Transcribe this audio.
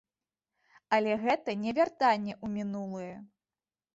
Але гэта не вяртанне ў мінулае.